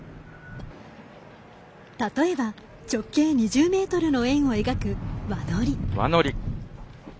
例えば直径２０ｍの円を描く輪乗り。